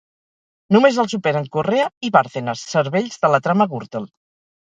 Només el superen Correa i Bárcenas, cervells de la trama Gürtel.